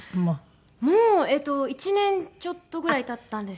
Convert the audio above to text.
もうえっと１年ちょっとぐらい経ったんですけど。